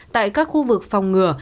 tại các khu vực phòng ngừa